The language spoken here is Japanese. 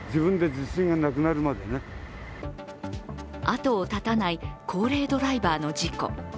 後を絶たない高齢ドライバーの事故。